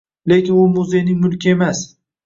Lekin u muzeyning mulki emas